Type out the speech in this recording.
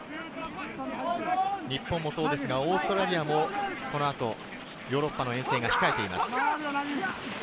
日本もそうですが、オーストラリアもこのあとヨーロッパの遠征が控えています。